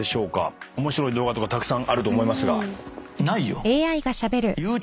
面白い動画とかたくさんあると思いますが。